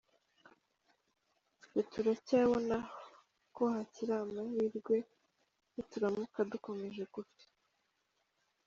Twe turacyabona ko hakiri amahirwe nituramuka dukomeje gutya.”